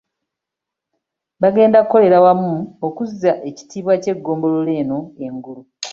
Bagenda kukolera wamu okuzza ekitiibwa ky'eggombolola eno engulu.